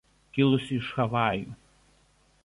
Kilusi iš Havajų.